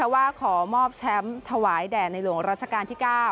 ว่าขอมอบแชมป์ถวายแด่ในหลวงรัชกาลที่๙